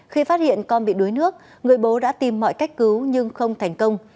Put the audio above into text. khi phát hiện con bị đuối nước người bố đã tìm mọi cách cứu nhưng không thành công